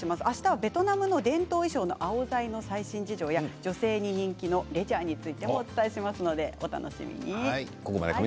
ベトナムの伝統衣装のアオザイの最新事情や女性に人気のレジャーについてお伝えします。